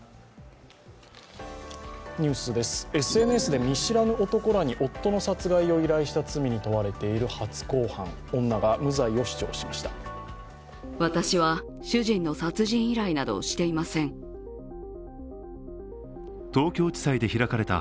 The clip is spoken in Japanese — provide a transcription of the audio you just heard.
ＳＮＳで見知らぬ男らに夫の殺害を依頼した罪に問われている初公判、女が無罪を主張しました。